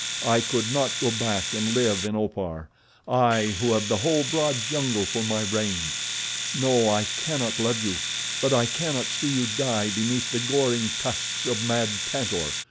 I could not go back and live in Opar—I who have the whole broad jungle for my range. No, I cannot love you but I cannot see you die beneath the goring tusks of mad Tantor.